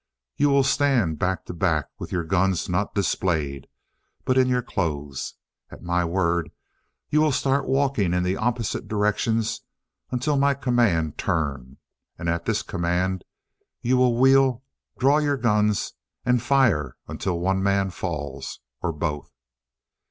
You will stand back to back with your guns not displayed, but in your clothes. At my word you will start walking in the opposite directions until my command 'Turn!' and at this command you will wheel, draw your guns, and fire until one man falls or both!"